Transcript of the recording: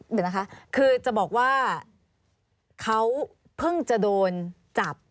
เดี๋ยวนะคะคือจะบอกว่าเขาเพิ่งจะโดนจับ